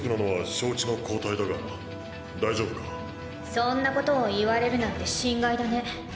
そんなことを言われるなんて心外だね。